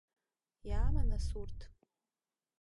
Иаама нас урҭ?